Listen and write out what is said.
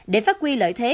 để phát quy lợi thế